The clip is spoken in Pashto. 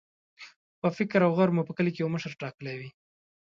په فکر او غور مو په کلي کې یو مشر ټاکلی وي.